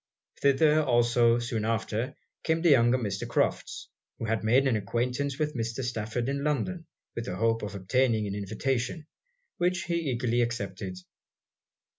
Thither also, soon after, came the younger Mr. Crofts, who had made an acquaintance with Mr. Stafford in London with the hope of obtaining an invitation, which he eagerly accepted.